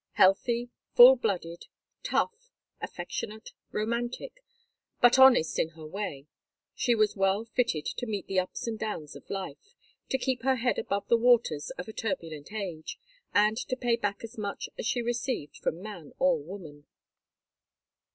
Healthy, full blooded, tough, affectionate, romantic, but honest in her way, she was well fitted to meet the ups and downs of life, to keep her head above the waters of a turbulent age, and to pay back as much as she received from man or woman.